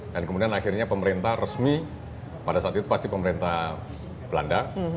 dan kemudian akhirnya pemerintah resmi pada saat itu pasti pemerintah belanda